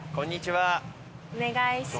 滝沢：お願いします。